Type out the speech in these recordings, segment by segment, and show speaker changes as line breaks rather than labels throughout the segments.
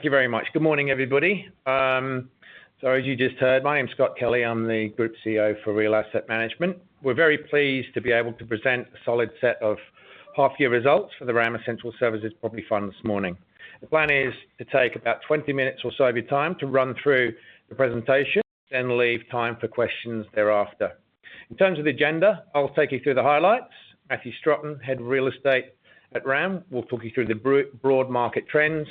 Thank you very much. Good morning, everybody. So as you just heard, my name's Scott Kelly. I'm the Group CEO for Real Asset Management. We're very pleased to be able to present a solid set of half-year results for the RAM Essential Services Property Fund this morning. The plan is to take about 20 minutes or so of your time to run through the presentation and leave time for questions thereafter. In terms of the agenda, I'll take you through the highlights. Matthew Strotton, Head of Real Estate at RAM, will talk you through the broad market trends,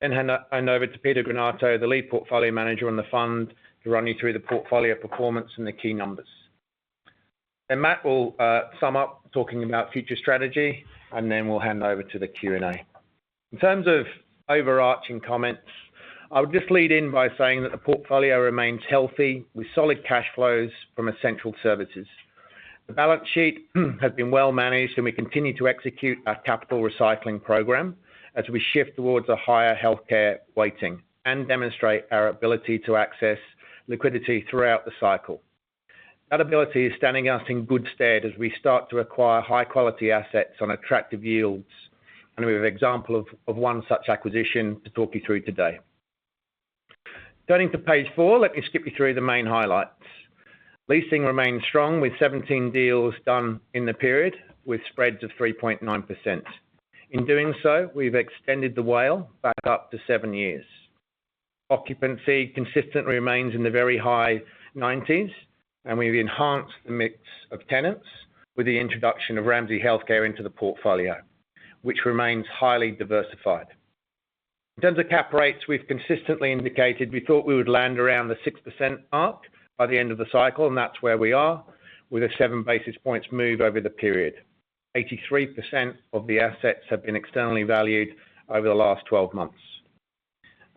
then hand over to Peter Granato, the Lead Portfolio Manager on the fund, to run you through the portfolio performance and the key numbers, and Matt will sum up, talking about future strategy, and then we'll hand over to the Q&A. In terms of overarching comments, I would just lead in by saying that the portfolio remains healthy with solid cash flows from essential services. The balance sheet has been well managed, and we continue to execute our capital recycling program as we shift towards a higher healthcare weighting and demonstrate our ability to access liquidity throughout the cycle. That ability is standing us in good stead as we start to acquire high-quality assets on attractive yields, and we have an example of one such acquisition to talk you through today. Turning to page four, let me skip you through the main highlights. Leasing remains strong with 17 deals done in the period with spreads of 3.9%. In doing so, we've extended the WALE back up to seven years. Occupancy consistently remains in the very high 90s, and we've enhanced the mix of tenants with the introduction of Ramsay Health Care into the portfolio, which remains highly diversified. In terms of cap rates, we've consistently indicated we thought we would land around the 6% mark by the end of the cycle, and that's where we are with a seven basis points move over the period. 83% of the assets have been externally valued over the last 12 months.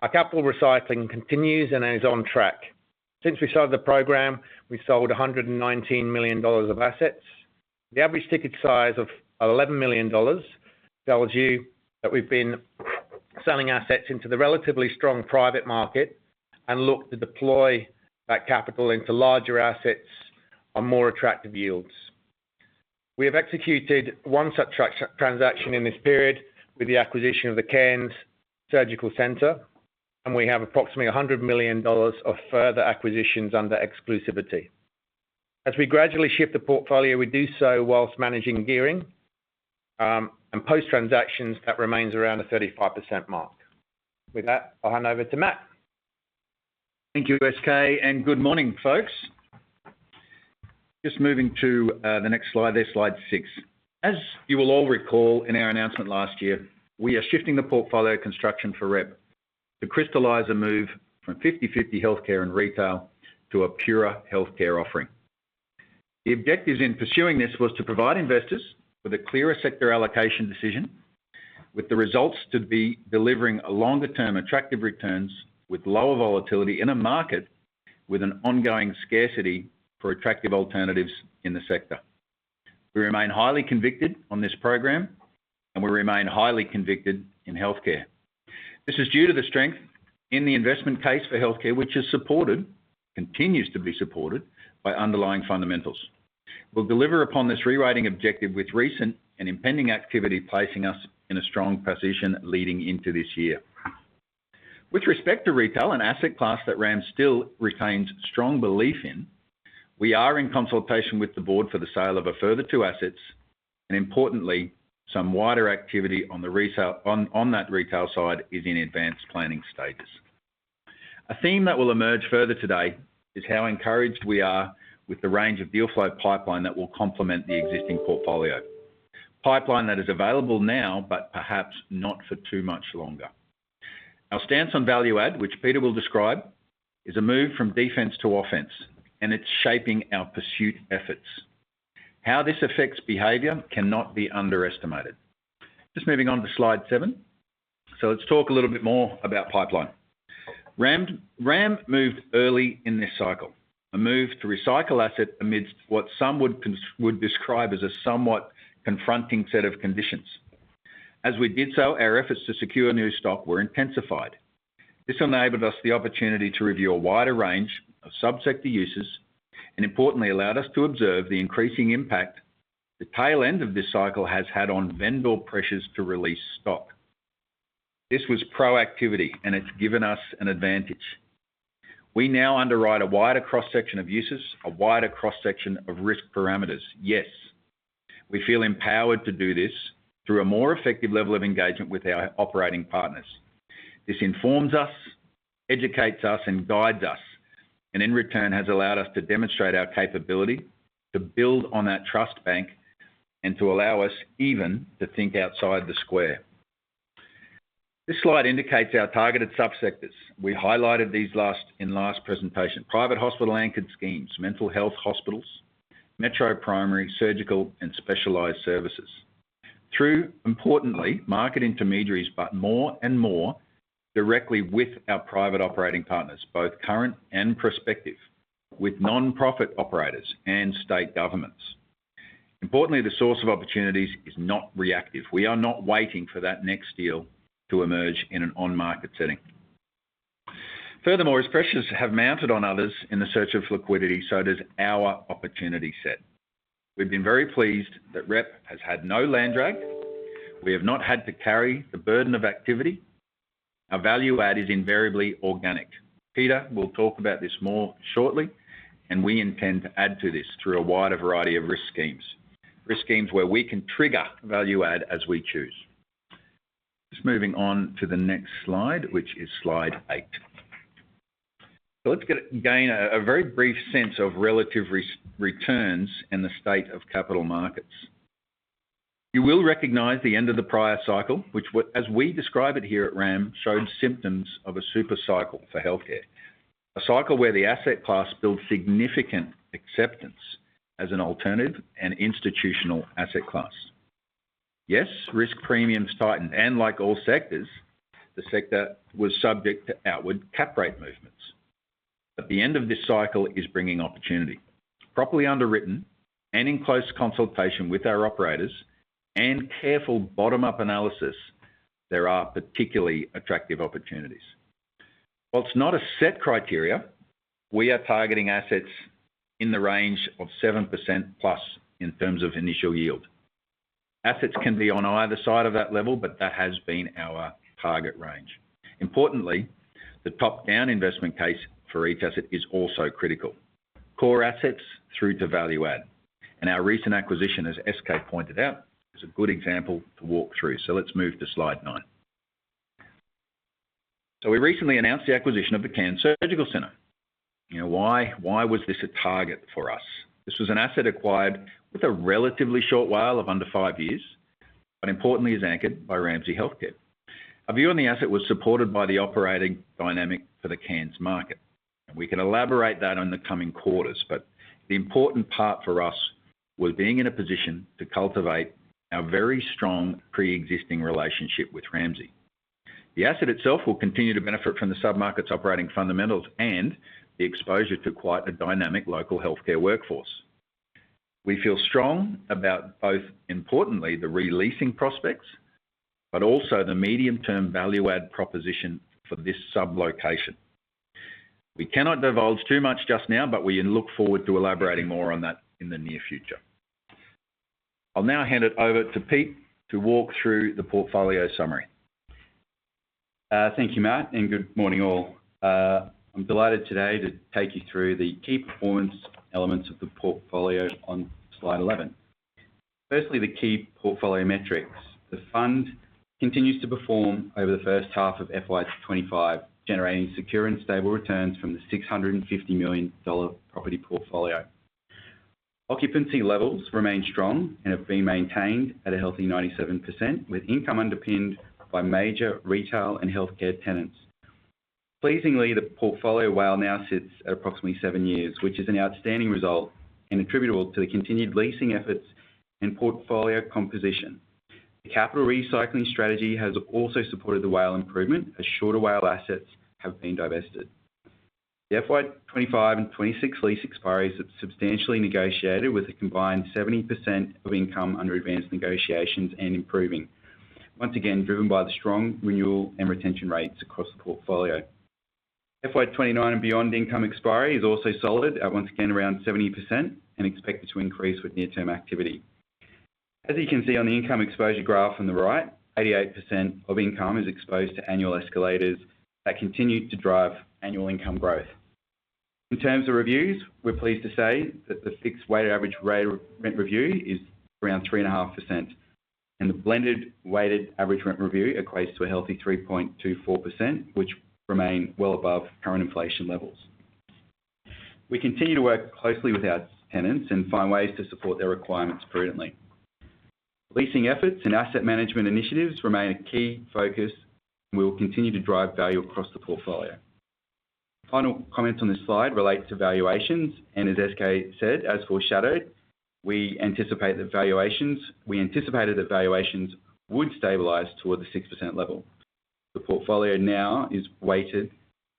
Our capital recycling continues and is on track. Since we started the program, we've sold 119 million dollars of assets. The average ticket size of 11 million dollars tells you that we've been selling assets into the relatively strong private market and look to deploy that capital into larger assets on more attractive yields. We have executed one such transaction in this period with the acquisition of the Cairns Surgical Centre, and we have approximately 100 million dollars of further acquisitions under exclusivity. As we gradually shift the portfolio, we do so while managing gearing, and post-transactions that remain around the 35% mark. With that, I'll hand over to Matt.
Thank you, SK, and good morning, folks. Just moving to the next slide, there, slide six. As you will all recall from our announcement last year, we are shifting the portfolio construction for REP to crystallize a move from 50/50 healthcare and retail to a pure healthcare offering. The objectives in pursuing this was to provide investors with a clearer sector allocation decision, with the results to be delivering longer-term attractive returns with lower volatility in a market with an ongoing scarcity for attractive alternatives in the sector. We remain highly convicted on this program, and we remain highly convicted in healthcare. This is due to the strength in the investment case for healthcare, which is supported, continues to be supported by underlying fundamentals. We'll deliver upon this reweighting objective with recent and impending activity placing us in a strong position leading into this year. With respect to retail, an asset class that RAM still retains strong belief in, we are in consultation with the board for the sale of a further two assets, and importantly, some wider activity on the retail on that retail side is in advanced planning stages. A theme that will emerge further today is how encouraged we are with the range of deal flow pipeline that will complement the existing portfolio. Pipeline that is available now, but perhaps not for too much longer. Our stance on value add, which Peter will describe, is a move from defense to offense, and it's shaping our pursuit efforts. How this affects behavior cannot be underestimated. Just moving on to slide seven. So let's talk a little bit more about pipeline. RAM moved early in this cycle, a move to recycle asset amidst what some would describe as a somewhat confronting set of conditions. As we did so, our efforts to secure new stock were intensified. This enabled us the opportunity to review a wider range of subsector uses and importantly allowed us to observe the increasing impact the tail end of this cycle has had on vendor pressures to release stock. This was proactivity, and it's given us an advantage. We now underwrite a wider cross-section of uses, a wider cross-section of risk parameters. Yes, we feel empowered to do this through a more effective level of engagement with our operating partners. This informs us, educates us, and guides us, and in return has allowed us to demonstrate our capability to build on that trust bank and to allow us even to think outside the square. This slide indicates our targeted subsectors. We highlighted these last in last presentation: private hospital anchored schemes, mental health hospitals, metro primary, surgical, and specialized services. Through, importantly, market intermediaries, but more and more directly with our private operating partners, both current and prospective, with nonprofit operators and state governments. Importantly, the source of opportunities is not reactive. We are not waiting for that next deal to emerge in an on-market setting. Furthermore, as pressures have mounted on others in the search of liquidity, so does our opportunity set. We've been very pleased that REP has had no land drag. We have not had to carry the burden of activity. Our value add is invariably organic. Peter will talk about this more shortly, and we intend to add to this through a wider variety of risk schemes, risk schemes where we can trigger value add as we choose. Just moving on to the next slide, which is slide eight. So let's get again a very brief sense of relative returns in the state of capital markets. You will recognize the end of the prior cycle, which, as we describe it here at RAM, showed symptoms of a super cycle for healthcare, a cycle where the asset class built significant acceptance as an alternative and institutional asset class. Yes, risk premiums tightened, and like all sectors, the sector was subject to outward cap rate movements. But the end of this cycle is bringing opportunity. Properly underwritten and in close consultation with our operators and careful bottom-up analysis, there are particularly attractive opportunities. While not a set criteria, we are targeting assets in the range of 7% plus in terms of initial yield. Assets can be on either side of that level, but that has been our target range. Importantly, the top-down investment case for each asset is also critical. Core assets through to value add, and our recent acquisition, as SK pointed out, is a good example to walk through. So let's move to slide nine. So we recently announced the acquisition of the Cairns Surgical Center. You know, why? Why was this a target for us? This was an asset acquired with a relatively short WALE of under five years, but importantly is anchored by Ramsay Health Care. Our view on the asset was supported by the operating dynamic for the Cairns market, and we can elaborate that on the coming quarters, but the important part for us was being in a position to cultivate our very strong pre-existing relationship with Ramsay. The asset itself will continue to benefit from the sub-market's operating fundamentals and the exposure to quite a dynamic local healthcare workforce. We feel strong about both, importantly, the leasing prospects, but also the medium-term value add proposition for this sub-location. We cannot divulge too much just now, but we look forward to elaborating more on that in the near future. I'll now hand it over to Pete to walk through the portfolio summary.
Thank you, Matt, and good morning all. I'm delighted today to take you through the key performance elements of the portfolio on slide 11. Firstly, the key portfolio metrics. The fund continues to perform over the first half of FY 2025, generating secure and stable returns from the 650 million dollar property portfolio. Occupancy levels remain strong and have been maintained at a healthy 97%, with income underpinned by major retail and healthcare tenants. Pleasingly, the portfolio WALE now sits at approximately seven years, which is an outstanding result and attributable to the continued leasing efforts and portfolio composition. The capital recycling strategy has also supported the WALE improvement as shorter WALE assets have been divested. The FY 2025 and 2026 lease expiry is substantially negotiated, with a combined 70% of income under advanced negotiations and improving, once again driven by the strong renewal and retention rates across the portfolio. FY29 and beyond income expiry is also solid at once again around 70% and expected to increase with near-term activity. As you can see on the income exposure graph on the right, 88% of income is exposed to annual escalators that continue to drive annual income growth. In terms of reviews, we're pleased to say that the fixed weighted average rate of rent review is around 3.5%, and the blended weighted average rent review equates to a healthy 3.24%, which remain well above current inflation levels. We continue to work closely with our tenants and find ways to support their requirements prudently. Leasing efforts and asset management initiatives remain a key focus, and we will continue to drive value across the portfolio. Final comments on this slide relate to valuations, and as SK said, as foreshadowed, we anticipate that valuations would stabilize toward the 6% level. The portfolio now is weighted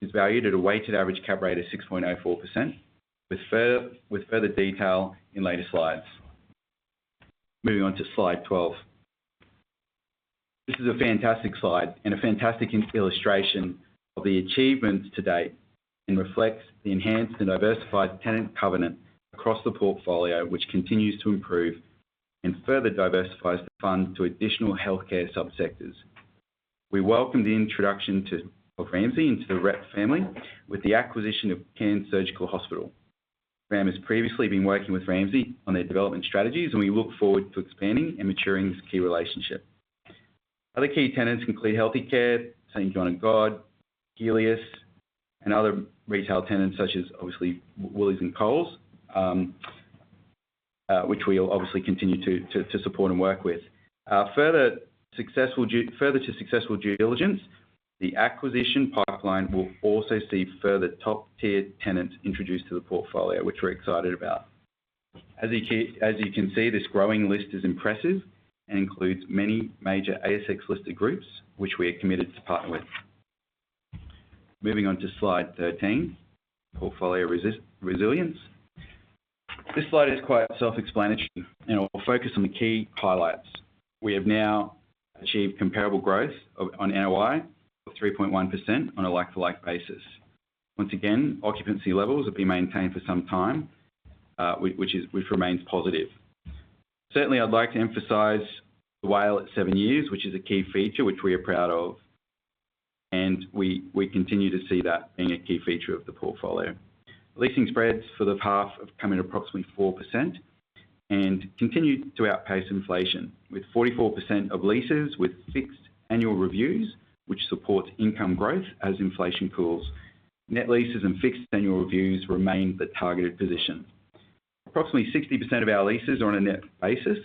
is valued at a weighted average cap rate of 6.04%, with further detail in later slides. Moving on to slide 12. This is a fantastic slide and a fantastic illustration of the achievements to date and reflects the enhanced and diversified tenant covenant across the portfolio, which continues to improve and further diversifies the fund to additional healthcare subsectors. We welcome the introduction of Ramsay into the REP family with the acquisition of Cairns Surgical Hospital. RAM has previously been working with Ramsay on their development strategies, and we look forward to expanding and maturing this key relationship. Other key tenants include Healthe Care, St John of God, Healius, and other retail tenants such as obviously Willys and Coles, which we'll obviously continue to support and work with. Following successful due diligence, the acquisition pipeline will also see further top-tier tenants introduced to the portfolio, which we're excited about. As you can see, this growing list is impressive and includes many major ASX-listed groups, which we are committed to partner with. Moving on to slide 13, portfolio resilience. This slide is quite self-explanatory, and I'll focus on the key highlights. We have now achieved comparable growth on NOI of 3.1% on a like-for-like basis. Once again, occupancy levels have been maintained for some time, which remains positive. Certainly, I'd like to emphasize the WALE at seven years, which is a key feature which we are proud of, and we continue to see that being a key feature of the portfolio. Leasing spreads for the half have come in at approximately 4% and continue to outpace inflation, with 44% of leases with fixed annual reviews, which supports income growth as inflation cools. Net leases and fixed annual reviews remain the targeted position. Approximately 60% of our leases are on a net basis,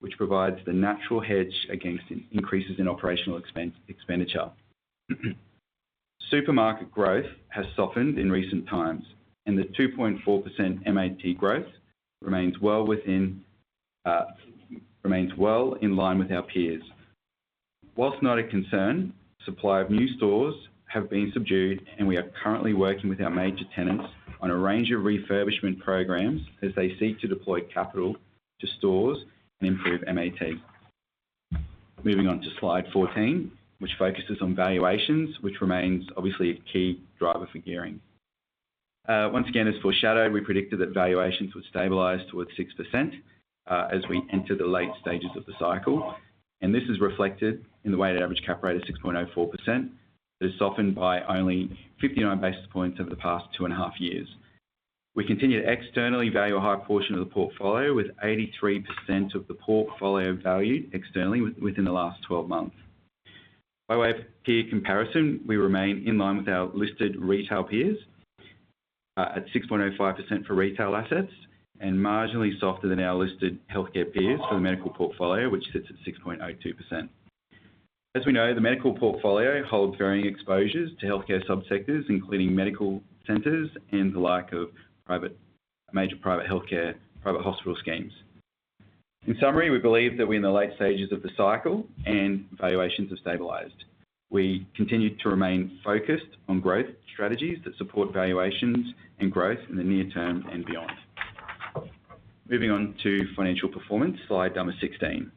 which provides the natural hedge against increases in operational expenditure. Supermarket growth has softened in recent times, and the 2.4% MAT growth remains well in line with our peers. While not a concern, supply of new stores have been subdued, and we are currently working with our major tenants on a range of refurbishment programs as they seek to deploy capital to stores and improve MAT. Moving on to slide 14, which focuses on valuations, which remains obviously a key driver for gearing. Once again, as foreshadowed, we predicted that valuations would stabilize towards 6%, as we enter the late stages of the cycle, and this is reflected in the weighted average cap rate of 6.04% that is softened by only 59 basis points over the past two and a half years. We continue to externally value a high portion of the portfolio, with 83% of the portfolio valued externally within the last 12 months. By way of peer comparison, we remain in line with our listed retail peers, at 6.05% for retail assets and marginally softer than our listed healthcare peers for the medical portfolio, which sits at 6.02%. As we know, the medical portfolio holds varying exposures to healthcare subsectors, including medical centers and the like of private major private healthcare, private hospital schemes. In summary, we believe that we're in the late stages of the cycle and valuations have stabilized. We continue to remain focused on growth strategies that support valuations and growth in the near term and beyond. Moving on to financial performance, slide number 16.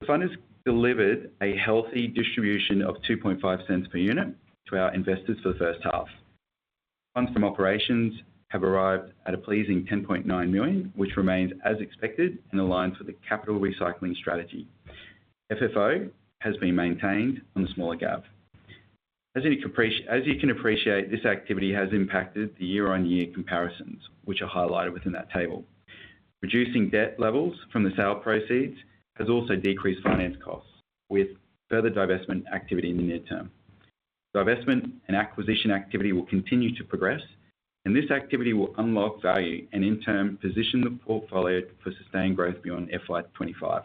The fund has delivered a healthy distribution of 0.025 per unit to our investors for the first half. Funds from operations have arrived at a pleasing 10.9 million, which remains as expected and aligns with the capital recycling strategy. FFO has been maintained on the smaller gap. As you can appreciate, this activity has impacted the year-on-year comparisons, which are highlighted within that table. Reducing debt levels from the sale proceeds has also decreased finance costs with further divestment activity in the near term. Divestment and acquisition activity will continue to progress, and this activity will unlock value and in turn position the portfolio for sustained growth beyond FY25.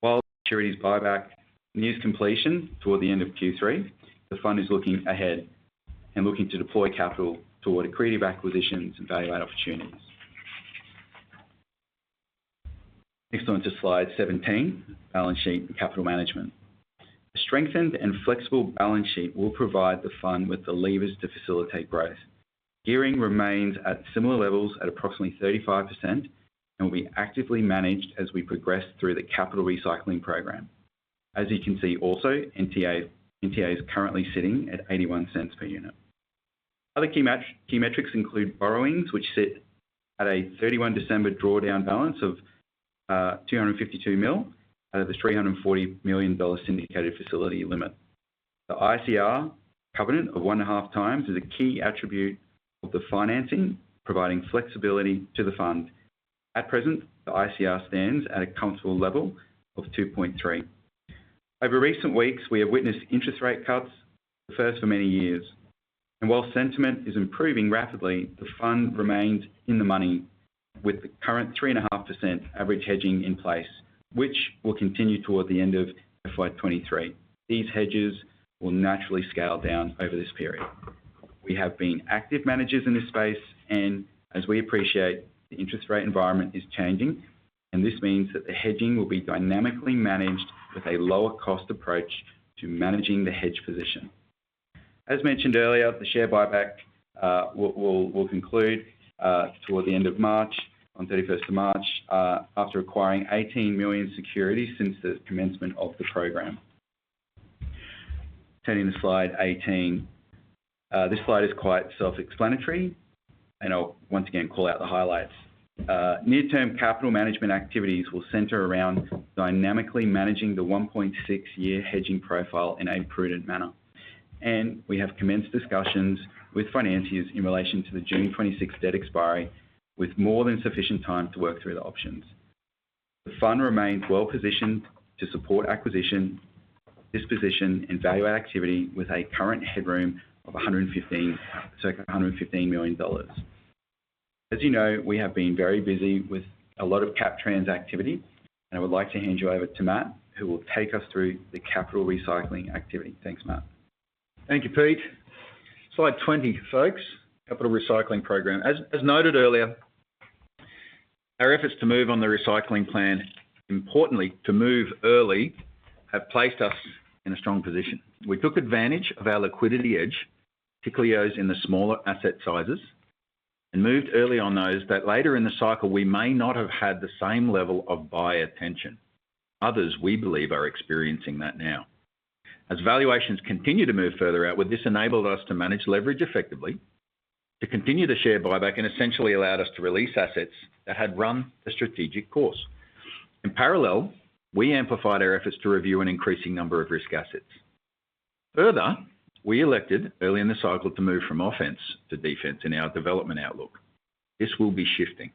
While maturities buyback nears completion toward the end of Q3, the fund is looking ahead and looking to deploy capital toward accretive acquisitions and value add opportunities. Next on to slide 17, balance sheet and capital management. A strengthened and flexible balance sheet will provide the fund with the levers to facilitate growth. Gearing remains at similar levels at approximately 35% and will be actively managed as we progress through the capital recycling program. As you can see also, NTA is currently sitting at 0.81 per unit. Other key metrics include borrowings, which sit at a 31 December drawdown balance of 252 million out of the 340 million dollar syndicated facility limit. The ICR covenant of one and a half times is a key attribute of the financing, providing flexibility to the fund. At present, the ICR stands at a comfortable level of 2.3. Over recent weeks, we have witnessed interest rate cuts, the first for many years, and while sentiment is improving rapidly, the fund remains in the money with the current 3.5% average hedging in place, which will continue toward the end of FY 2023. These hedges will naturally scale down over this period. We have been active managers in this space, and as we appreciate, the interest rate environment is changing, and this means that the hedging will be dynamically managed with a lower-cost approach to managing the hedge position. As mentioned earlier, the share buyback will conclude toward the end of March, on 31st of March, after acquiring 18 million securities since the commencement of the program. Turning to slide 18, this slide is quite self-explanatory, and I'll once again call out the highlights. Near-term capital management activities will center around dynamically managing the 1.6-year hedging profile in a prudent manner, and we have commenced discussions with financiers in relation to the June 2026 debt expiry, with more than sufficient time to work through the options. The fund remains well-positioned to support acquisition, disposition, and value add activity with a current headroom of 115 million dollars, circa AUD 115 million. As you know, we have been very busy with a lot of cap trans activity, and I would like to hand you over to Matt, who will take us through the capital recycling activity. Thanks, Matt.
Thank you, Pete. Slide 20, folks, capital recycling program. As noted earlier, our efforts to move on the recycling plan, importantly to move early, have placed us in a strong position. We took advantage of our liquidity edge, particularly those in the smaller asset sizes, and moved early on those that later in the cycle we may not have had the same level of buyer tension. Others, we believe, are experiencing that now. As valuations continue to move further out, this enabled us to manage leverage effectively, to continue the share buyback, and essentially allowed us to release assets that had run a strategic course. In parallel, we amplified our efforts to review an increasing number of risk assets. Further, we elected early in the cycle to move from offense to defense in our development outlook. This will be shifting.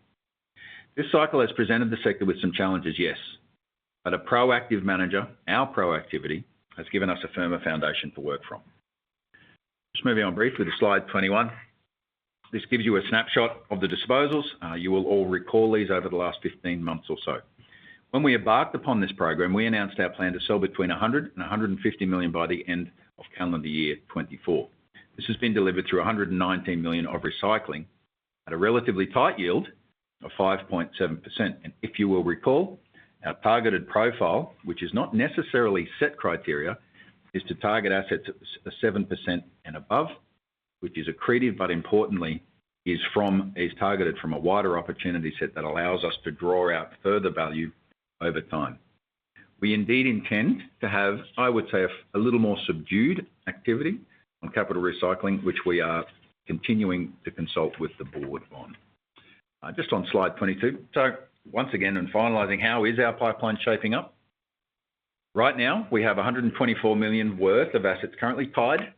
This cycle has presented the sector with some challenges, yes, but a proactive manager, our proactivity, has given us a firmer foundation to work from. Just moving on briefly to slide 21. This gives you a snapshot of the disposals. You will all recall these over the last 15 months or so. When we embarked upon this program, we announced our plan to sell between 100 million and 150 million by the end of calendar year 2024. This has been delivered through 119 million of recycling at a relatively tight yield of 5.7%. And if you will recall, our targeted profile, which is not necessarily set criteria, is to target assets at 7% and above, which is accretive, but importantly, is targeted from a wider opportunity set that allows us to draw out further value over time. We indeed intend to have, I would say, a little more subdued activity on capital recycling, which we are continuing to consult with the board on. Just on slide 22. So once again, in finalizing, how is our pipeline shaping up? Right now, we have 124 million worth of assets currently tied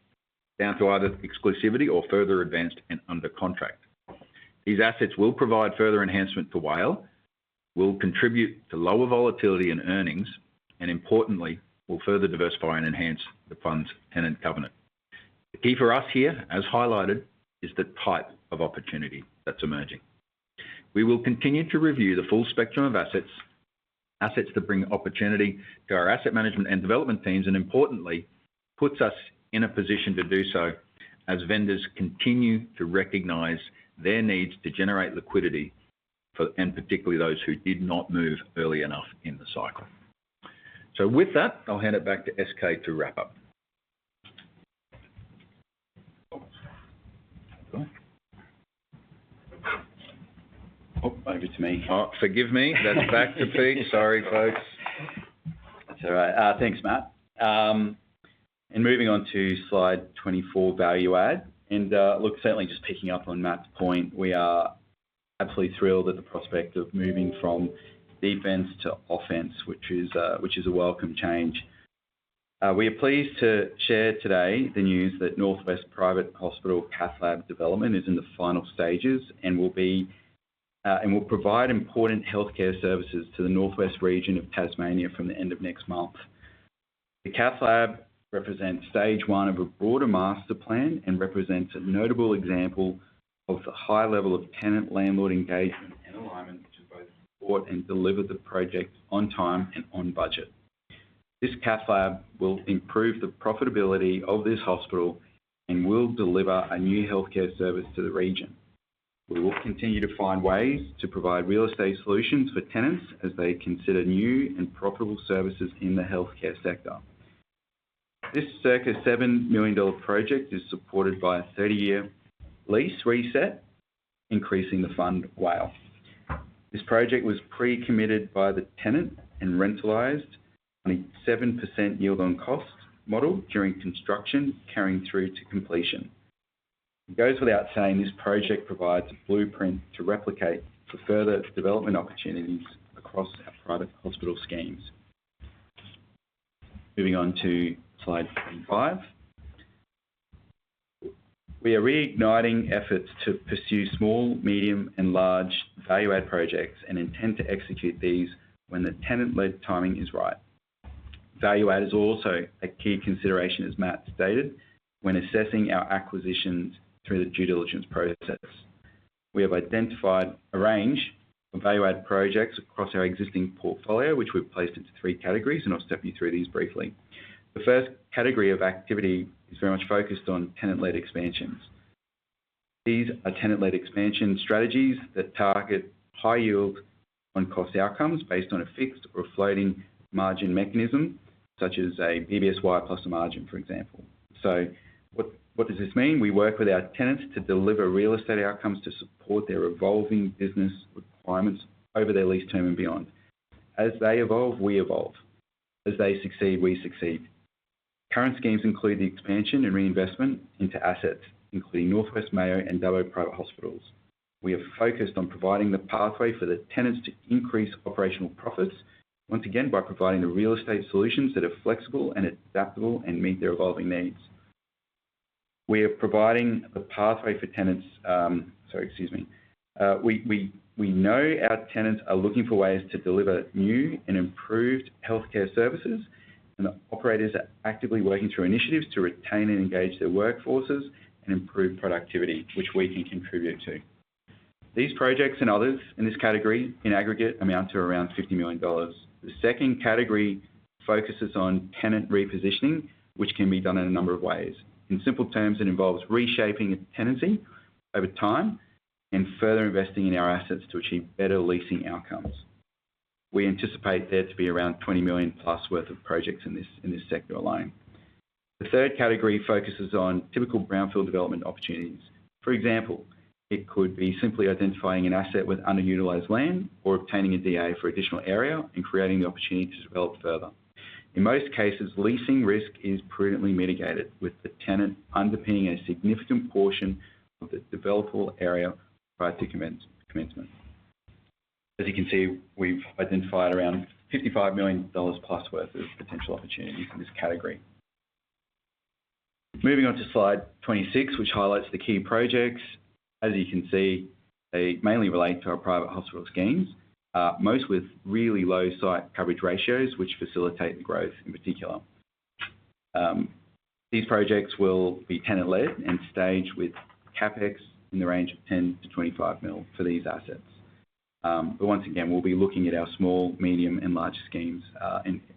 down to either exclusivity or further advanced and under contract. These assets will provide further enhancement to WALE, will contribute to lower volatility in earnings, and importantly, will further diversify and enhance the fund's tenant covenant. The key for us here, as highlighted, is the type of opportunity that's emerging. We will continue to review the full spectrum of assets, assets that bring opportunity to our asset management and development teams, and importantly, puts us in a position to do so as vendors continue to recognize their needs to generate liquidity for, and particularly those who did not move early enough in the cycle. So with that, I'll hand it back to SK to wrap up. Oh, over to me. Oh, forgive me. That's back to Pete. Sorry, folks.
That's all right. Thanks, Matt, and moving on to slide 24, value add. Look, certainly just picking up on Matt's point, we are absolutely thrilled at the prospect of moving from defense to offense, which is a welcome change. We are pleased to share today the news that North West Private Hospital Cath Lab development is in the final stages and will provide important healthcare services to the North West Region of Tasmania from the end of next month. The Cath Lab represents stage one of a broader master plan and represents a notable example of the high level of tenant landlord engagement and alignment to both support and deliver the project on time and on budget. This Cath Lab will improve the profitability of this hospital and will deliver a new healthcare service to the region. We will continue to find ways to provide real estate solutions for tenants as they consider new and profitable services in the healthcare sector. This circa 7 million dollar project is supported by a 30-year lease reset, increasing the fund WALE. This project was pre-committed by the tenant and rentalized on a 7% yield-on-cost model during construction, carrying through to completion. It goes without saying, this project provides a blueprint to replicate for further development opportunities across our private hospital schemes. Moving on to slide 25. We are reigniting efforts to pursue small, medium, and large value add projects and intend to execute these when the tenant-led timing is right. Value add is also a key consideration, as Matt stated, when assessing our acquisitions through the due diligence process. We have identified a range of value add projects across our existing portfolio, which we've placed into three categories, and I'll step you through these briefly. The first category of activity is very much focused on tenant-led expansions. These are tenant-led expansion strategies that target high yield on cost outcomes based on a fixed or a floating margin mechanism, such as a BBSY plus a margin, for example. So what, what does this mean? We work with our tenants to deliver real estate outcomes to support their evolving business requirements over their lease term and beyond. As they evolve, we evolve. As they succeed, we succeed. Current schemes include the expansion and reinvestment into assets, including North west Private and Dubbo Private Hospitals. We are focused on providing the pathway for the tenants to increase operational profits, once again, by providing the real estate solutions that are flexible and adaptable and meet their evolving needs. We are providing the pathway for tenants. Sorry, excuse me. We know our tenants are looking for ways to deliver new and improved healthcare services, and the operators are actively working through initiatives to retain and engage their workforces and improve productivity, which we can contribute to. These projects and others in this category in aggregate amount to around 50 million dollars. The second category focuses on tenant repositioning, which can be done in a number of ways. In simple terms, it involves reshaping a tenancy over time and further investing in our assets to achieve better leasing outcomes. We anticipate there to be around 20 million plus worth of projects in this sector alone. The third category focuses on typical brownfield development opportunities. For example, it could be simply identifying an asset with underutilised land or obtaining a DA for additional area and creating the opportunity to develop further. In most cases, leasing risk is prudently mitigated with the tenant underpinning a significant portion of the developable area prior to commencement. As you can see, we've identified around 55 million dollars plus worth of potential opportunities in this category. Moving on to slide 26, which highlights the key projects. As you can see, they mainly relate to our private hospital schemes, most with really low site coverage ratios, which facilitates the growth in particular. These projects will be tenant-led and staged with CapEx in the range of 10 to 25 mil for these assets. But once again, we'll be looking at our small, medium, and large schemes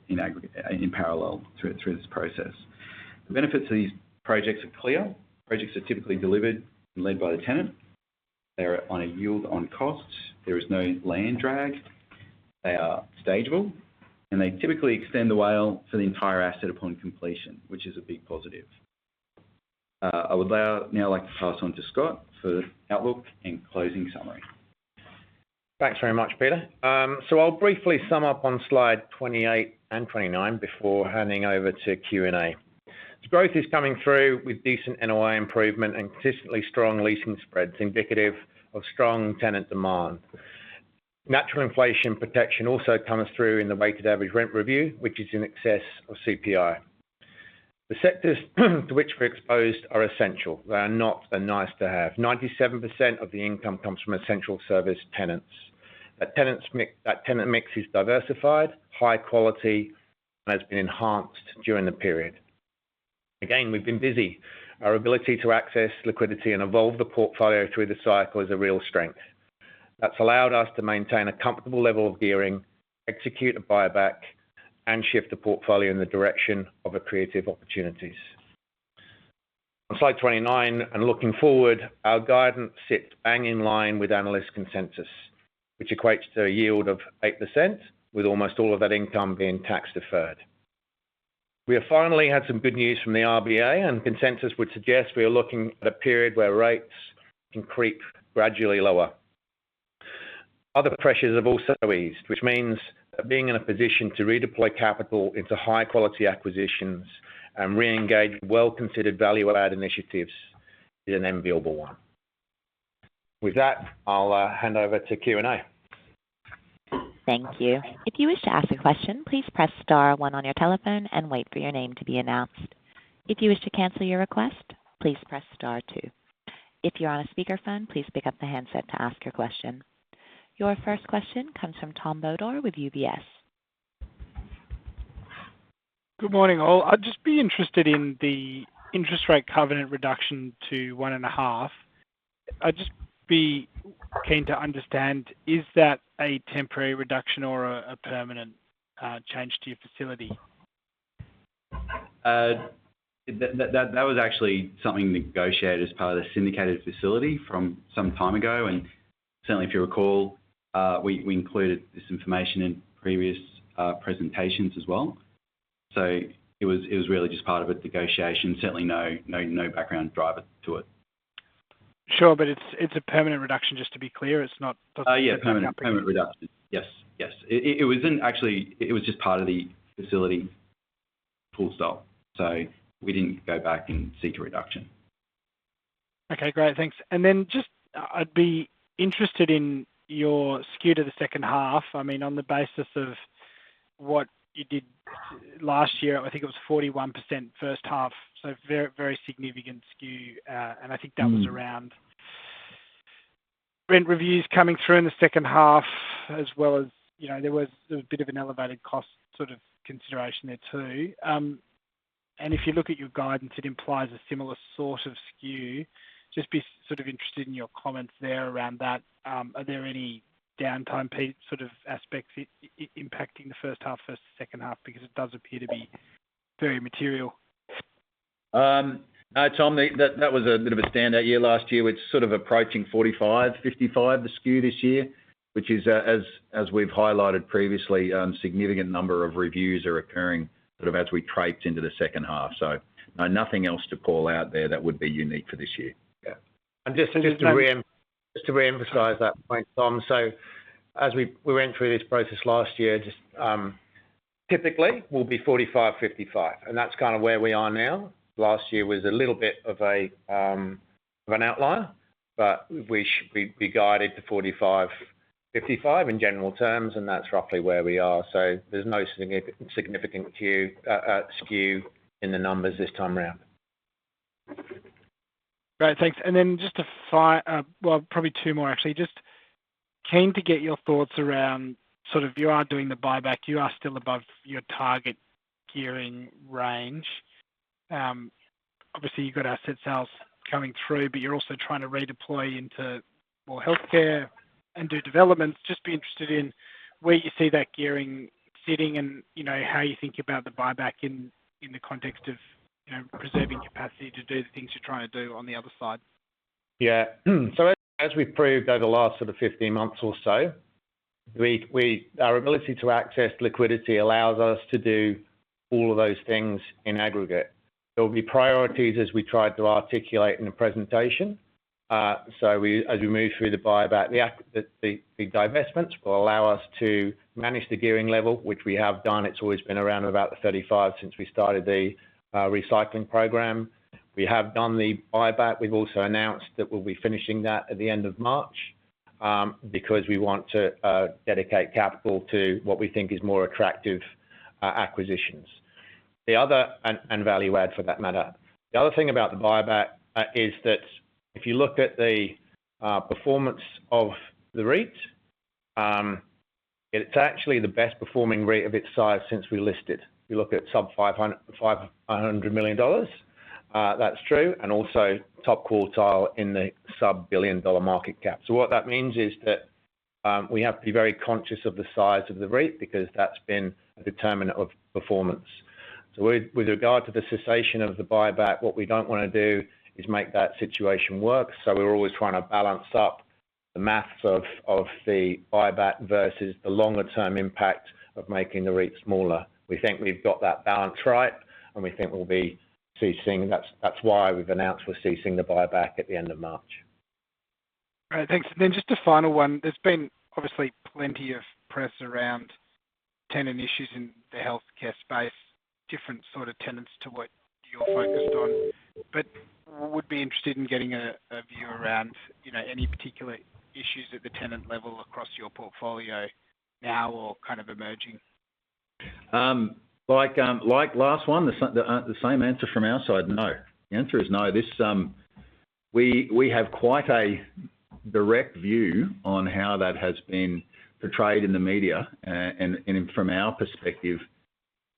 in aggregate, in parallel, through this process. The benefits of these projects are clear. Projects are typically delivered and led by the tenant. They are on a yield on cost. There is no land drag. They are stageable, and they typically extend the WALE for the entire asset upon completion, which is a big positive. I would now like to pass on to Scott for the outlook and closing summary.
Thanks very much, Peter. So I'll briefly sum up on slide 28 and 29 before handing over to Q&A. The growth is coming through with decent NOI improvement and consistently strong leasing spreads, indicative of strong tenant demand. Natural inflation protection also comes through in the weighted average rent review, which is in excess of CPI. The sectors to which we're exposed are essential. They are not a nice-to-have. 97% of the income comes from essential service tenants. That tenant's mix, that tenant mix is diversified, high quality, and has been enhanced during the period. Again, we've been busy. Our ability to access liquidity and evolve the portfolio through the cycle is a real strength. That's allowed us to maintain a comfortable level of gearing, execute a buyback, and shift the portfolio in the direction of accretive opportunities. On slide 29 and looking forward, our guidance sits bang in line with analyst consensus, which equates to a yield of 8%, with almost all of that income being tax-deferred. We have finally had some good news from the RBA, and consensus would suggest we are looking at a period where rates can creep gradually lower. Other pressures have also eased, which means that being in a position to redeploy capital into high-quality acquisitions and re-engage well-considered value-add initiatives is an enviable one. With that, I'll hand over to Q&A.
Thank you. If you wish to ask a question, please press star one on your telephone and wait for your name to be announced. If you wish to cancel your request, please press star two. If you're on a speakerphone, please pick up the handset to ask your question. Your first question comes from Tom Bodor with UBS.
Good morning all. I'd just be interested in the interest rate covenant reduction to one and a half. I'd just be keen to understand, is that a temporary reduction or a permanent change to your facility?
That was actually something negotiated as part of the syndicated facility from some time ago. And certainly, if you recall, we included this information in previous presentations as well. So it was really just part of a negotiation. Certainly, no background driver to it.
Sure, but it's a permanent reduction, just to be clear. It's not, doesn't mean it's not permanent.
Yeah, permanent reduction. Yes, yes. It wasn't actually; it was just part of the facility. Full stop. So we didn't go back and seek a reduction.
Okay, great. Thanks. And then just, I'd be interested in your skew to the second half. I mean, on the basis of what you did last year, I think it was 41% first half. So very, very significant skew. And I think that was around rent reviews coming through in the second half, as well as, you know, there was a bit of an elevated cost sort of consideration there too. And if you look at your guidance, it implies a similar sort of skew. Just be sort of interested in your comments there around that. Are there any downtime pe sort of aspects impacting the first half versus the second half? Because it does appear to be very material.
Tom, that was a bit of a standout year last year. It's sort of approaching 45-55, the skew this year, which is, as we've highlighted previously, a significant number of reviews are occurring sort of as we head into the second half. So, nothing else to call out there that would be unique for this year. Yeah.
Just to re-emphasize that point, Tom, so as we went through this process last year, just, typically will be 45%-55%. And that's kind of where we are now. Last year was a little bit of an outlier, but we guided to 45%-55% in general terms, and that's roughly where we are. So there's no significant skew in the numbers this time around. Great. Thanks. And then just one final, well, probably two more, actually. Just keen to get your thoughts around sort of you're doing the buyback. You're still above your target gearing range. Obviously, you've got asset sales coming through, but you're also trying to redeploy into more healthcare and do developments. Just be interested in where you see that gearing sitting and, you know, how you think about the buyback in the context of, you know, preserving capacity to do the things you're trying to do on the other side. Yeah. So, as we've proved over the last sort of 15 months or so, our ability to access liquidity allows us to do all of those things in aggregate. There'll be priorities as we tried to articulate in the presentation. So we, as we move through the buyback, the divestments will allow us to manage the gearing level, which we have done. It's always been around about the 35 since we started the recycling program. We have done the buyback. We've also announced that we'll be finishing that at the end of March, because we want to dedicate capital to what we think is more attractive, acquisitions. The other and value add for that matter, the other thing about the buyback, is that if you look at the performance of the REITs, it's actually the best performing REIT of its size since we listed. If you look at sub-AUD 500 million, that's true, and also top quartile in the sub-AUD 1 billion-dollar market cap. So what that means is that we have to be very conscious of the size of the REIT because that's been a determinant of performance. So with regard to the cessation of the buyback, what we don't wanna do is make that situation work. So we're always trying to balance up the math of the buyback versus the longer-term impact of making the REIT smaller. We think we've got that balance right, and we think we'll be ceasing. That's why we've announced we're ceasing the buyback at the end of March. Great. Thanks. And then just a final one. There's been obviously plenty of press around tenant issues in the healthcare space, different sort of tenants to what you're focused on. But would be interested in getting a view around, you know, any particular issues at the tenant level across your portfolio now or kind of emerging?
Like last one, the same answer from our side, no. The answer is no. We have quite a direct view on how that has been portrayed in the media. And from our perspective,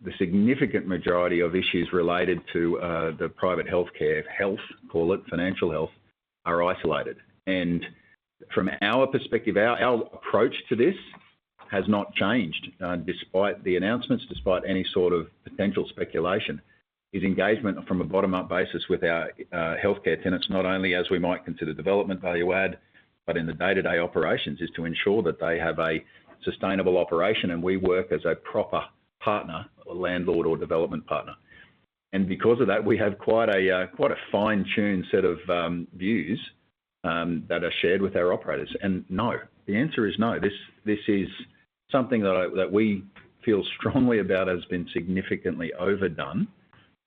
the significant majority of issues related to the private healthcare, health, call it, financial health, are isolated. From our perspective, our approach to this has not changed, despite the announcements, despite any sort of potential speculation. It's engagement from a bottom-up basis with our healthcare tenants, not only as we might consider development value add, but in the day-to-day operations is to ensure that they have a sustainable operation, and we work as a proper partner, landlord or development partner. And because of that, we have quite a fine-tuned set of views that are shared with our operators. No, the answer is no. This is something that we feel strongly about has been significantly overdone.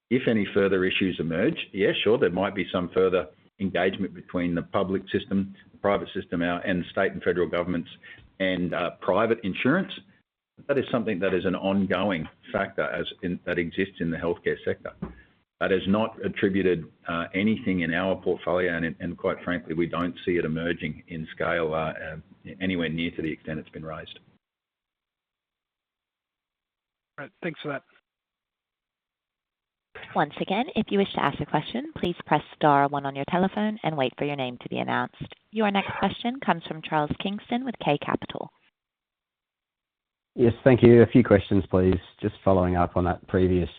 If any further issues emerge, yeah, sure, there might be some further engagement between the public system, the private system, or state and federal governments, and private insurance. That is something that is an ongoing factor as in that exists in the healthcare sector. That has not impacted anything in our portfolio, and quite frankly, we don't see it emerging in scale, anywhere near to the extent it's been raised.
Great. Thanks for that.
Once again, if you wish to ask a question, please press star one on your telephone and wait for your name to be announced. Your next question comes from Charles Kingston with K Capital. Yes, thank you. A few questions, please. Just following up on that previous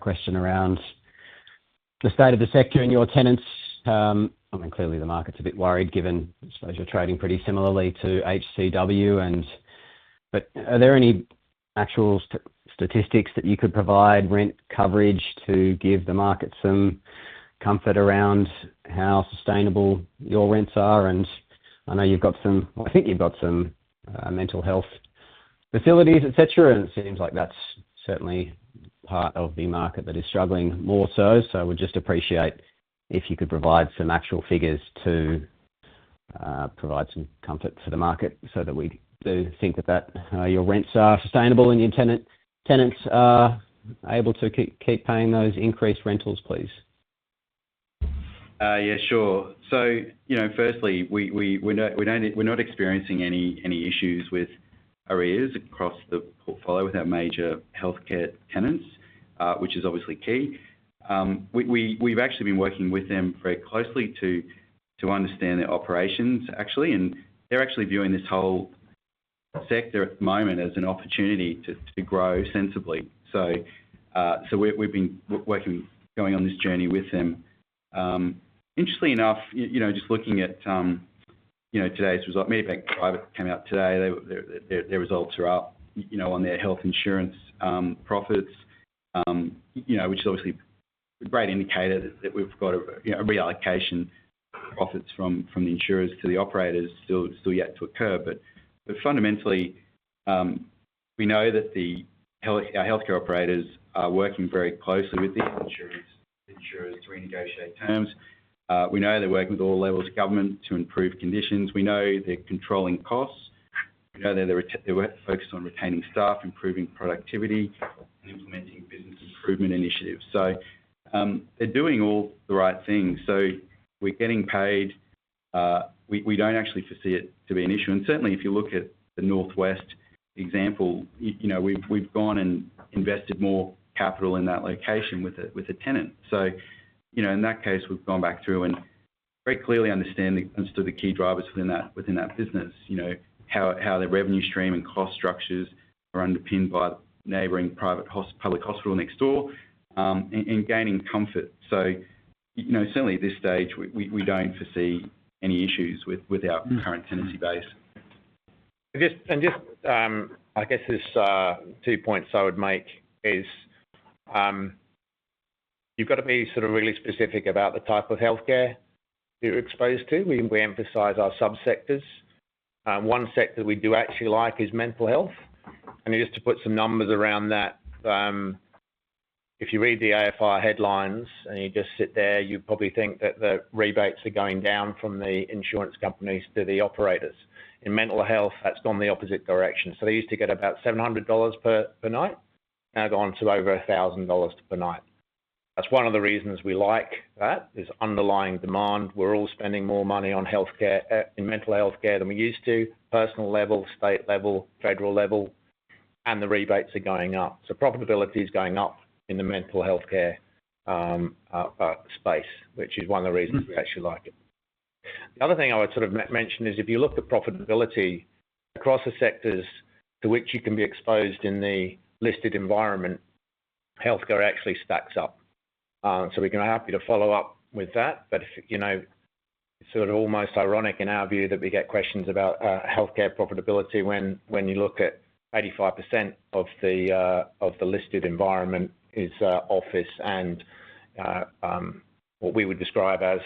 question around the state of the sector and your tenants. I mean, clearly the market's a bit worried given, I suppose, you're trading pretty similarly to HCW. And, but are there any actual statistics that you could provide rent coverage to give the market some comfort around how sustainable your rents are? And I know you've got some, I think you've got some, mental health facilities, etc., and it seems like that's certainly part of the market that is struggling more so. We'd just appreciate if you could provide some actual figures to provide some comfort for the market, so that we do think that your rents are sustainable and your tenants are able to keep paying those increased rentals, please.
Yeah, sure. So, you know, firstly, we're not experiencing any issues with areas across the portfolio with our major healthcare tenants, which is obviously key. We've actually been working with them very closely to understand their operations, actually. And they're actually viewing this whole sector at the moment as an opportunity to grow sensibly. So, we've been working, going on this journey with them. Interestingly enough, you know, just looking at, you know, today's results, Medibank Private came out today. Their results are up, you know, on their health insurance profits, you know, which is obviously a great indicator that we've got a, you know, a reallocation profits from the insurers to the operators still yet to occur. Fundamentally, we know that the healthcare operators are working very closely with these insurers to renegotiate terms. We know they're working with all levels of government to improve conditions. We know they're controlling costs. We know they're focused on retaining staff, improving productivity, and implementing business improvement initiatives. So, they're doing all the right things. So we're getting paid. We don't actually foresee it to be an issue. And certainly, if you look at the Northwest example, you know, we've gone and invested more capital in that location with a tenant. So, you know, in that case, we've gone back through and very clearly understood the key drivers within that business, you know, how the revenue stream and cost structures are underpinned by the neighboring private hospital, public hospital next door, and gaining comfort. So, you know, certainly at this stage, we don't foresee any issues with our current tenancy base. I guess, and just, I guess this, two points I would make is, you've got to be sort of really specific about the type of healthcare you're exposed to. We emphasize our subsectors. One sector we do actually like is mental health. And just to put some numbers around that, if you read the AFI headlines and you just sit there, you probably think that the rebates are going down from the insurance companies to the operators. In mental health, that's gone the opposite direction. So they used to get about 700 dollars per night. Now gone to over 1,000 dollars per night. That's one of the reasons we like that. There's underlying demand. We're all spending more money on healthcare, in mental healthcare than we used to, personal level, state level, federal level, and the rebates are going up. So profitability is going up in the mental healthcare space, which is one of the reasons we actually like it. The other thing I would sort of mention is if you look at profitability across the sectors to which you can be exposed in the listed environment, healthcare actually stacks up. So we're happy to follow up with that. But if, you know, it's sort of almost ironic in our view that we get questions about healthcare profitability when you look at 85% of the listed environment is office and what we would describe as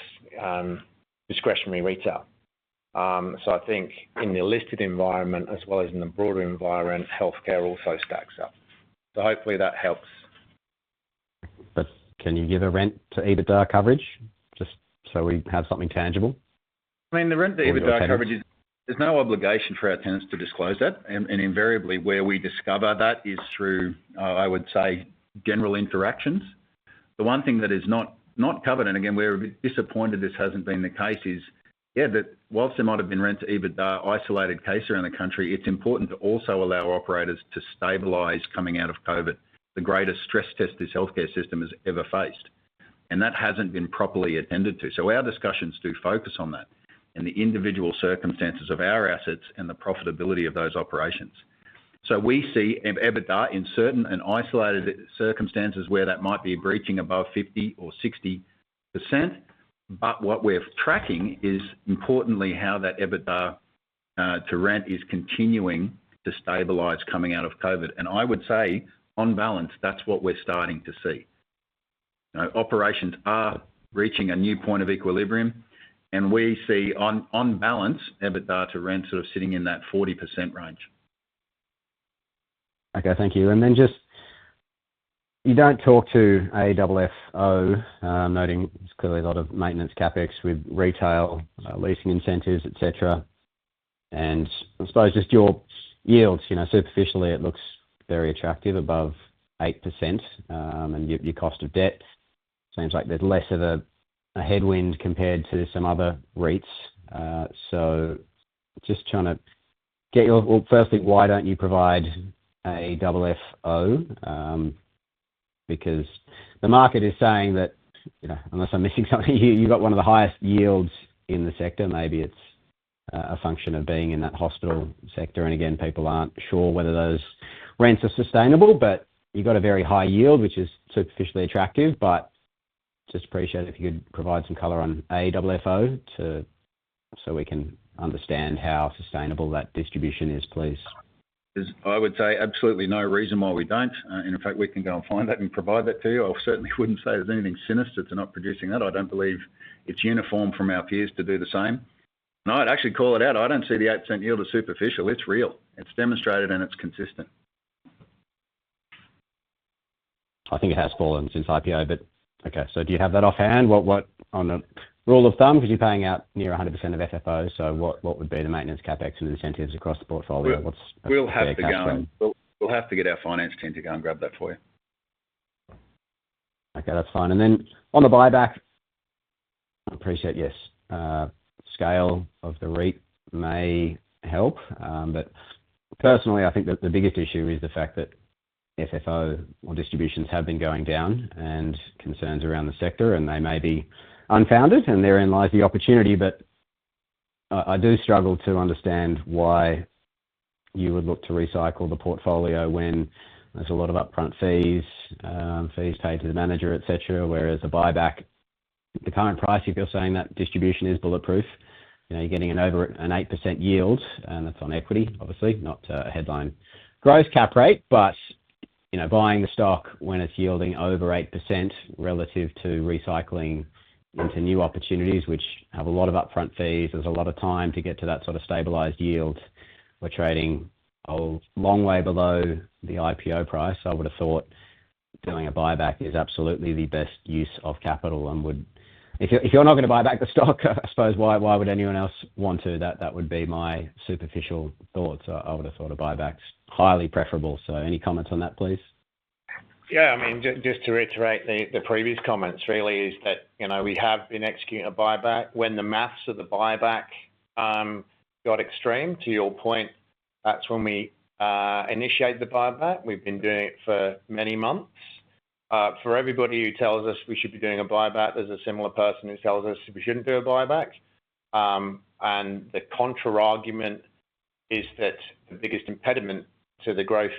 discretionary retail. So I think in the listed environment as well as in the broader environment, healthcare also stacks up. So hopefully that helps. But can you give a rent to EBITDA coverage just so we have something tangible? I mean, the rent to EBITDA coverage is, there's no obligation for our tenants to disclose that. And invariably, where we discover that is through, I would say, general interactions. The one thing that is not covered, and again, we're a bit disappointed this hasn't been the case, is, yeah, that while there might have been rent to EBITDA isolated case around the country, it's important to also allow operators to stabilise coming out of COVID, the greatest stress test this healthcare system has ever faced. And that hasn't been properly attended to. So our discussions do focus on that and the individual circumstances of our assets and the profitability of those operations. So we see EBITDA in certain and isolated circumstances where that might be breaching above 50% or 60%. But what we're tracking is importantly how that EBITDA to rent is continuing to stabilise coming out of COVID. And I would say on balance, that's what we're starting to see. You know, operations are reaching a new point of equilibrium, and we see on balance, EBITDA to rent sort of sitting in that 40% range. Okay. Thank you. And then just, you don't talk to AFFO, noting there's clearly a lot of maintenance CapEx with retail, leasing incentives, etc. And I suppose just your yields, you know, superficially it looks very attractive above 8%, and your cost of debt. Seems like there's less of a headwind compared to some other REITs. So just trying to get your, well, firstly, why don't you provide AFFO? Because the market is saying that, you know, unless I'm missing something, you, you've got one of the highest yields in the sector. Maybe it's a function of being in that hospital sector. And again, people aren't sure whether those rents are sustainable, but you've got a very high yield, which is superficially attractive. But just appreciate it if you could provide some color on AFFO too, so we can understand how sustainable that distribution is, please. There's, I would say, absolutely no reason why we don't. And in fact, we can go and find that and provide that to you. I certainly wouldn't say there's anything sinister to not producing that. I don't believe it's uniform from our peers to do the same. No, I'd actually call it out. I don't see the 8% yield as superficial. It's real. It's demonstrated and it's consistent. I think it has fallen since IPO, but okay. So do you have that offhand? What's the rule of thumb? 'Cause you're paying out near 100% of FFOs. So what would be the maintenance CapEx and incentives across the portfolio? What's FFO? We'll have to go. We'll have to get our finance team to go and grab that for you. Okay. That's fine, and then on the buyback, I appreciate, yes, scale of the REIT may help, but personally, I think that the biggest issue is the fact that FFO or distributions have been going down and concerns around the sector, and they may be unfounded, and therein lies the opportunity, but I do struggle to understand why you would look to recycle the portfolio when there's a lot of upfront fees, fees paid to the manager, etc., whereas a buyback, the current price, if you're saying that distribution is bulletproof, you know, you're getting over an 8% yield, and that's on equity, obviously, not headline gross cap rate. But, you know, buying the stock when it's yielding over 8% relative to recycling into new opportunities, which have a lot of upfront fees, there's a lot of time to get to that sort of stabilized yield, we're trading a long way below the IPO price. I would've thought doing a buyback is absolutely the best use of capital and would, if you're, if you're not gonna buy back the stock, I suppose, why, why would anyone else want to? That, that would be my superficial thoughts. I, I would've thought a buyback's highly preferable. So any comments on that, please? Yeah. I mean, just, just to reiterate the, the previous comments really is that, you know, we have been executing a buyback when the math of the buyback got extreme. To your point, that's when we initiate the buyback. We've been doing it for many months. For everybody who tells us we should be doing a buyback, there's a similar person who tells us we shouldn't do a buyback. The contra-argument is that the biggest impediment to the growth,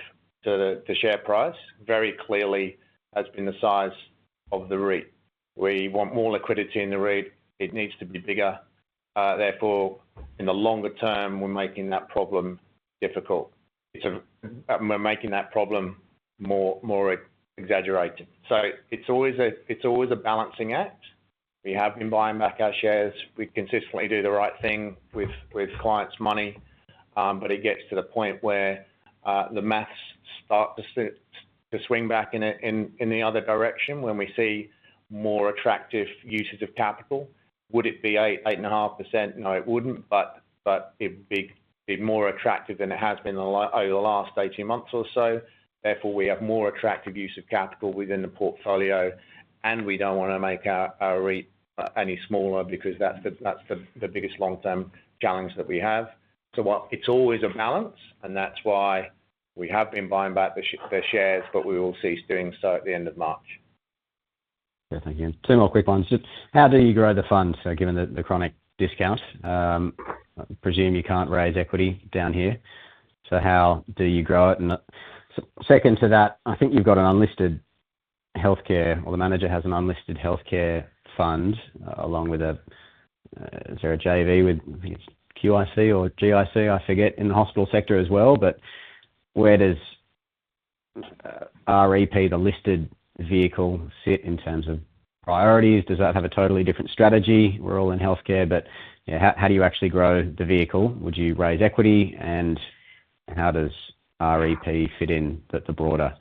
to the share price very clearly has been the size of the REIT. We want more liquidity in the REIT. It needs to be bigger. Therefore, in the longer term, we're making that problem difficult. It's, we're making that problem more exaggerated. So it's always a balancing act. We have been buying back our shares. We consistently do the right thing with clients' money. But it gets to the point where the math starts to swing back in the other direction when we see more attractive uses of capital. Would it be 8, 8.5%? No, it wouldn't. But it would be more attractive than it has been over the last 18 months or so. Therefore, we have more attractive use of capital within the portfolio, and we don't want make our REIT any smaller because that's the biggest long-term challenge that we have. So it's always a balance, and that's why we have been buying back the shares, but we will cease doing so at the end of March. Yeah. Thank you. Two more quick ones. Just how do you grow the funds? So, given the chronic discount, I presume you can't raise equity down here. So how do you grow it? Second to that, I think you've got an unlisted healthcare or the manager has an unlisted healthcare fund along with a, is there a JV with, I think it's QIC or GIC, I forget, in the hospital sector as well. But where does REP, the listed vehicle, sit in terms of priorities? Does that have a totally different strategy? We're all in healthcare, but yeah, how do you actually grow the vehicle? Would you raise equity? And how does REP fit in the broader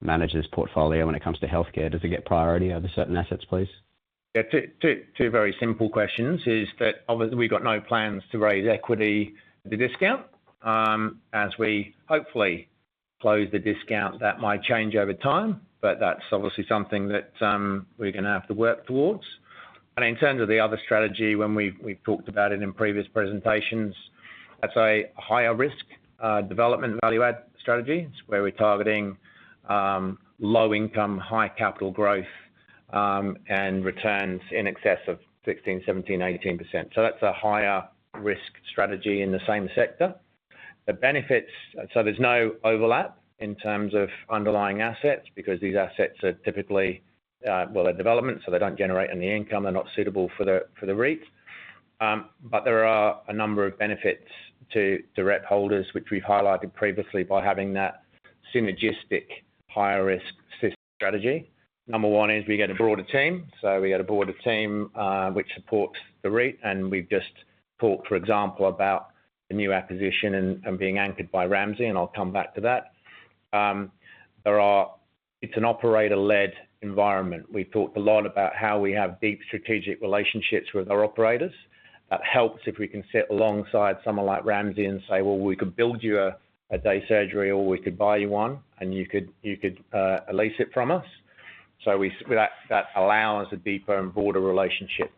manager's portfolio when it comes to healthcare? Does it get priority over certain assets, please? Yeah. Two very simple questions is that obviously we've got no plans to raise equity the discount. As we hopefully close the discount, that might change over time, but that's obviously something that we're gonna have to work towards. In terms of the other strategy, when we've talked about it in previous presentations, that's a higher risk, development value-add strategy. It's where we're targeting low-income, high capital growth, and returns in excess of 16%-18%. So that's a higher risk strategy in the same sector. The benefits. So there's no overlap in terms of underlying assets because these assets are typically, well, they're development, so they don't generate any income. They're not suitable for the REIT. But there are a number of benefits to direct holders, which we've highlighted previously by having that synergistic higher risk system strategy. Number one is we get a broader team. So we got a broader team, which supports the REIT. We've just talked, for example, about the new acquisition and being anchored by Ramsay. I'll come back to that. It's an operator-led environment. We've talked a lot about how we have deep strategic relationships with our operators. That helps if we can sit alongside someone like Ramsay and say, "Well, we could build you a day surgery, or we could buy you one, and you could lease it from us." That allows a deeper and broader relationship.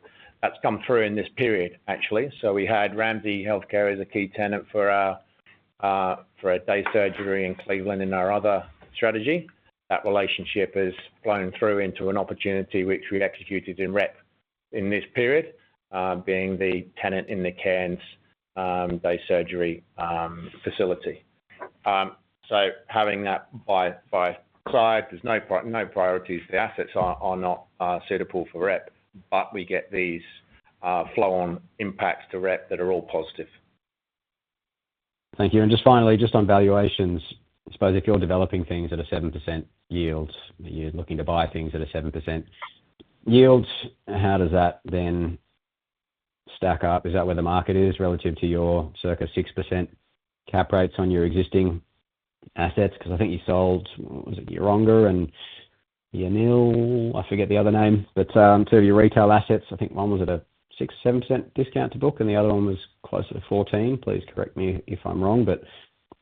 That's come through in this period, actually. We had Ramsay Health Care as a key tenant for a day surgery in Cleveland in our other strategy. That relationship has flown through into an opportunity which we executed in REP in this period, being the tenant in the Cairns day surgery facility, so having that by side, there's no priorities. The assets are not suitable for REP, but we get these flow-on impacts to REP that are all positive. Thank you. And just finally, just on valuations, I suppose if you're developing things at a 7% yield, you're looking to buy things at a 7% yield, how does that then stack up? Is that where the market is relative to your circa 6% cap rates on your existing assets? 'Cause I think you sold, was it your Onger and your Niel? I forgot the other name. But two of your retail assets, I think one was at a 6%-7% discount to book, and the other one was closer to 14%. Please correct me if I'm wrong. But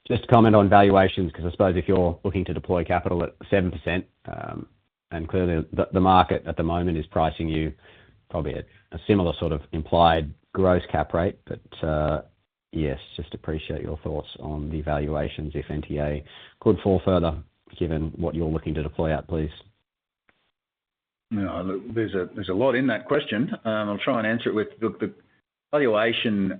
just to comment on valuations, 'cause I suppose if you're looking to deploy capital at 7%, and clearly the market at the moment is pricing you probably at a similar sort of implied gross cap rate. But yes, just appreciate your thoughts on the valuations if NTA could fall further given what you're looking to deploy out, please. No, look, there's a lot in that question. I'll try and answer it with the valuation,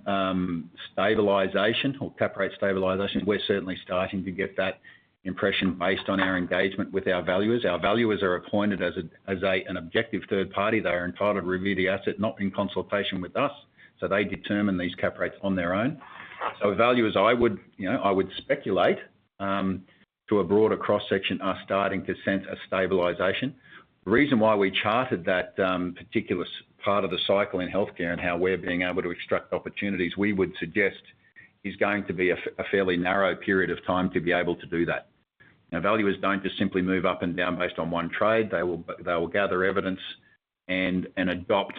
stabilization or cap rate stabilization. We're certainly starting to get that impression based on our engagement with our valuers. Our valuers are appointed as an objective third party. They're entitled to review the asset not in consultation with us. So they determine these cap rates on their own. So valuers, I would, you know, I would speculate, to a broader cross-section are starting to sense a stabilization. The reason why we charted that particular part of the cycle in healthcare and how we're being able to extract opportunities we would suggest is going to be a fairly narrow period of time to be able to do that. Now, valuers don't just simply move up and down based on one trade. They will gather evidence and adopt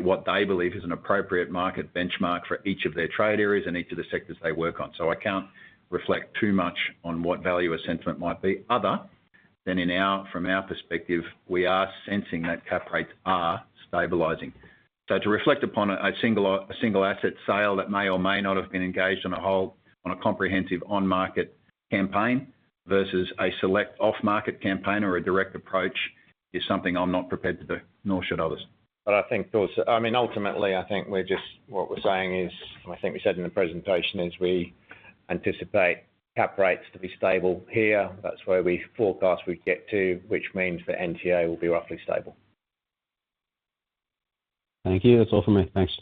what they believe is an appropriate market benchmark for each of their trade areas and each of the sectors they work on. So I can't reflect too much on what valuer assessment might be other than from our perspective, we are sensing that cap rates are stabilizing. So, to reflect upon a single asset sale that may or may not have been engaged on a whole, on a comprehensive on-market campaign versus a select off-market campaign or a direct approach is something I'm not prepared to do, nor should others.
But I think, of course, I mean, ultimately, I think we're just what we're saying is, and I think we said in the presentation is we anticipate cap rates to be stable here. That's where we forecast we'd get to, which means the NTA will be roughly stable.
Thank you.
That's all from me. Thanks.